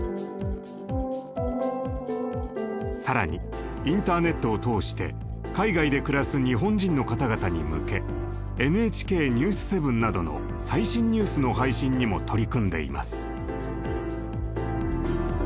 更にインターネットを通して海外で暮らす日本人の方々に向け「ＮＨＫニュース７」などの最新ニュースの配信にも取り組んでいます。